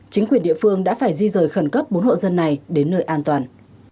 chính quyền địa phương đã phải di rời khẩn cấp bốn hộ dân này đến nơi an toàn